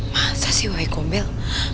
masa sih woi gumbel